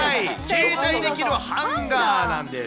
携帯できるハンガーなんです。